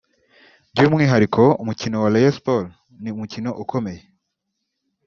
By’umwihariko umukino wa Rayon Sports ni umukino ukomeye